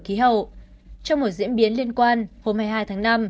trong một diễn biến liên quan hôm hai mươi hai tháng năm